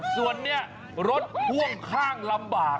ส่วนนี้รถพ่วงข้างลำบาก